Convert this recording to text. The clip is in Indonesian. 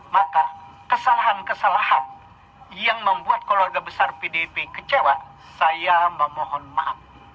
maka kesalahan kesalahan yang membuat keluarga besar pdp kecewa saya memohon maaf